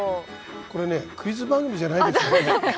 これねクイズ番組じゃないですからね。